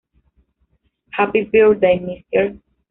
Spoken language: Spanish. Happy Birthday, Mr.